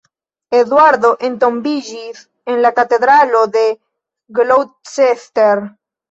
Eduardo entombiĝis en la katedralo de Gloucester.